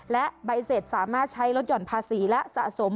และใบเสร็จสามารถใช้ลดหย่อนภาษีและสะสม